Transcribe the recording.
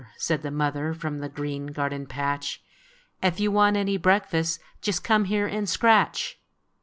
said the mother, From the green garden patch, " If you want any breakfast, Just come here and scratch!